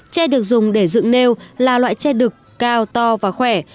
che được dùng để dựng nêu là loại che đực cao to và khỏe